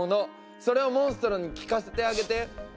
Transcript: それをモンストロに聴かせてあげて。